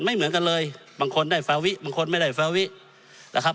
ไม่เหมือนกันเลยบางคนได้ฟาวิบางคนไม่ได้ฟาวินะครับ